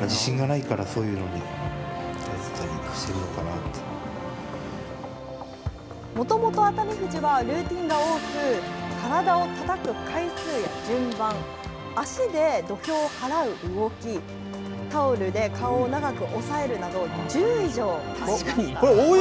きっかけは当時、部屋付きの親方だったもともと熱海富士はルーティンが多く体をたたく回数や順番足で土俵を払う動きタオルで顔を長く押さえるなど確かに多い。